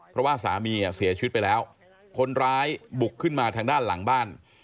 เพราะว่าสามีเสียชีวิตไปแล้วคนร้ายบุกขึ้นมาทางด้านหลังบ้าน